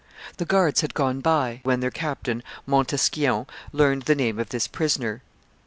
The guards had gone by when their captain, Montesquion, learned the name of this prisoner.